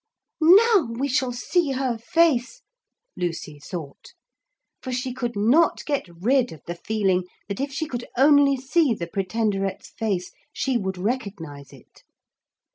'Now we shall see her face,' Lucy thought, for she could not get rid of the feeling that if she could only see the Pretenderette's face she would recognise it.